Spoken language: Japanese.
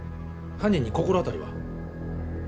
犯人に心当たりは？